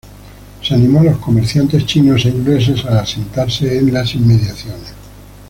Se animó a los comerciantes Chinos e Ingleses a asentarse en las inmediaciones.